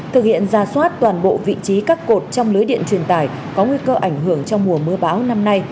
thực hiện ra soát toàn bộ vị trí các cột trong lưới điện truyền tải có nguy cơ ảnh hưởng trong mùa mưa bão năm nay